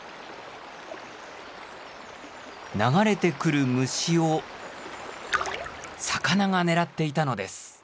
流れてくる虫を魚が狙っていたのです。